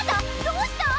どうした！？